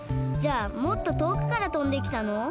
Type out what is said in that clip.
じゃあもっととおくからとんできたの？